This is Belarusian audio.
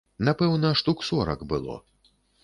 Напэўна, штук сорак было.